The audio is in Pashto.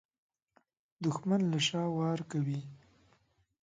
دښمن له شا وار کوي